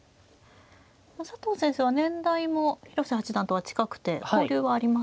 佐藤先生は年代も広瀬八段とは近くて交流はありますか。